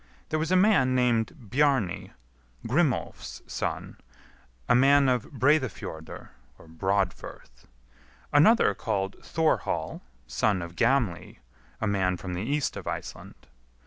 There was a man named Bjarni, Grimolf's son, a man of Breidafjordr (Broadfirth); another called Thorhall, son of Gamli, a man from the east of Iceland.